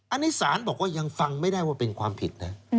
อันนี้ศาลบอกว่ายังฟังไม่ได้ว่าเป็นความผิดนะ